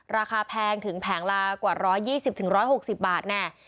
แพงถึงแผงละกว่า๑๒๐๑๖๐บาทแน่